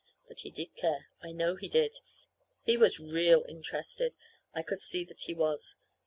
But he did care. I know he did. He was real interested. I could see that he was.